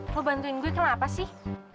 lo bantuin gue kenapa sih